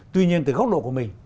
tuy nhiên từ góc độ của mình